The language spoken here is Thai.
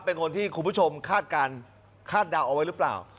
เป็นคนที่คุณผู้ชมคาดการณคาดเดาเอาไว้หรือเปล่า